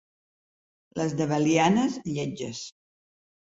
Les de Belianes, lletges.